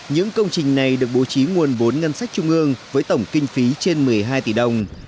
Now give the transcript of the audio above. những công trình này được bố trí nguồn vốn ngân sách trung ương với tổng kinh phí trên một mươi hai tỷ đồng